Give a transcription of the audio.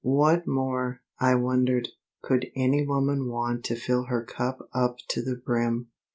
What more, I wondered, could any woman want to fill her cup up to the brim?